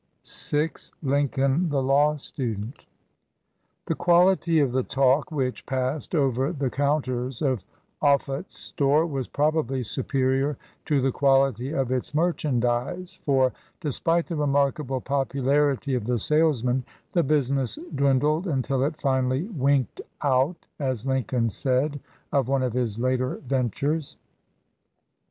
45 VI LINCOLN THE LAW STUDENT THE quality of the talk which passed over the counters of Offutt's store was probably superior to the quality of its merchandise, for, despite the remarkable popularity of the sales man, the business dwindled until it finally "winked out," as Lincoln said of one of his later ventures.